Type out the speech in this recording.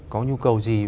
có nhu cầu gì